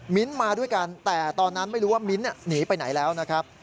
มาด้วยกันแต่ตอนนั้นไม่รู้ว่ามิ้นท์หนีไปไหนแล้วนะครับ